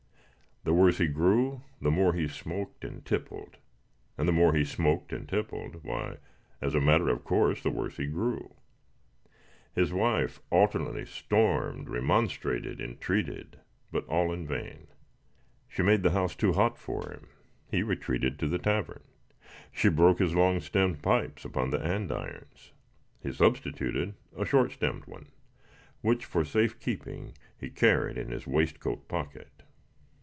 The worse he grew the more he smoked and tippled; and the more he smoked and tippled, why, as a matter of course, the worse he grew. His wife alternately stormed, remonstrated, entreated; but all in vain. She made the house too hot for him he retreated to the tavern; she broke his long stemmed pipes upon the andirons he substituted a short stemmed one, which, for safe keeping, he carried in his waistcoat pocket.